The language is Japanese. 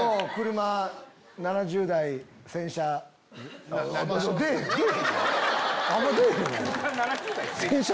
車７０台洗車？